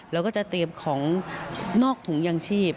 เราก็จะเตรียมของนอกถุงยางชีพ